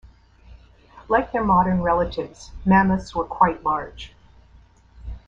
Like their modern relatives, mammoths were quite large.